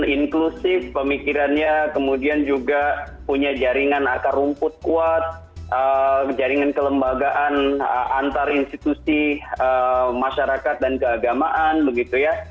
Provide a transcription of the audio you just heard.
inklusif pemikirannya kemudian juga punya jaringan akar rumput kuat jaringan kelembagaan antar institusi masyarakat dan keagamaan begitu ya